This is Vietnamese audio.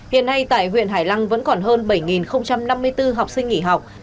hiện nay tại huyện hải lăng vẫn còn hơn bảy năm mươi bốn học sinh nghỉ học